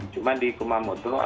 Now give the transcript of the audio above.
cuma di kumamoto alhamdulillah